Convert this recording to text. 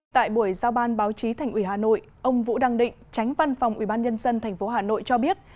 tại buổi giao ban báo chí thành ủy hà nội ông vũ đăng định tránh văn phòng ubnd tp hà nội cho biết